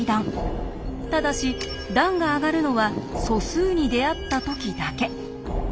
ただし段が上がるのは素数に出会った時だけ。